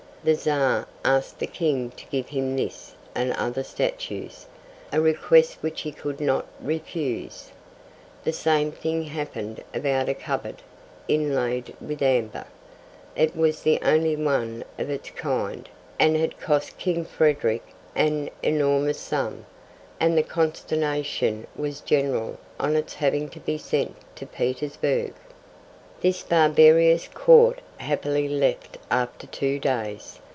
The Czar asked the King to give him this and other statues, a request which he could not refuse. The same thing happened about a cupboard, inlaid with amber. It was the only one of its kind, and had cost King Frederick I. an enormous sum, and the consternation was general on its having to be sent to Petersburg. This barbarous Court happily left after two days.